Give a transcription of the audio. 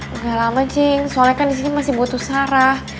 enggak lama cing soalnya kan disini masih butuh sarah